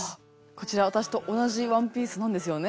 こちら私と同じワンピースなんですよね？